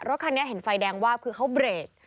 รถคันนี้เห็นไฟแดงวาบคือเขาเบรก